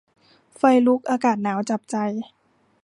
ไฟลุก อากาศหนาวจับใจ